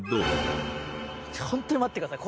ホントに待ってください。